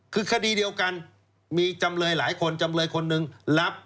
คือคดีเดียวกันมีจำเลยหลายคนจำเลยคนหนึ่งรับ